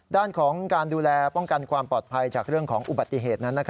ด้านของการดูแลป้องกันความปลอดภัยจากเรื่องของอุบัติเหตุนั้น